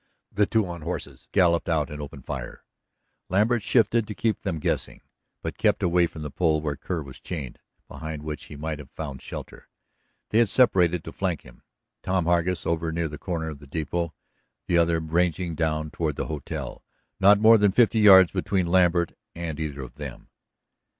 The two on horses galloped out and opened fire. Lambert shifted to keep them guessing, but kept away from the pole where Kerr was chained, behind which he might have found shelter. They had separated to flank him, Tom Hargus over near the corner of the depot, the other ranging down toward the hotel, not more than fifty yards between Lambert and either of them.